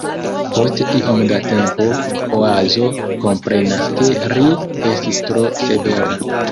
Post iom da tempo Oazo komprenas ke ri estis tro severa.